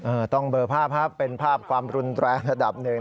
ต้องเบอร์ภาพครับเป็นภาพความรุนแรงระดับหนึ่ง